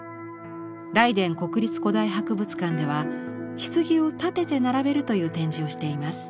ライデン国立古代博物館では棺を立てて並べるという展示をしています。